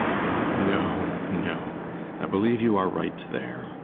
] No, no; I believe you are right there.